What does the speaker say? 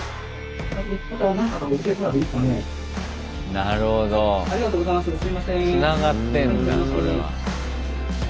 なるほどつながってんだそれは。